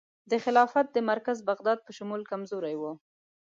د خلافت د مرکز بغداد په شمول کمزوري وه.